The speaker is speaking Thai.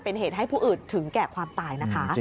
เป็นเหตุให้ผู้อื่นถึงแก่ความตายนะคะ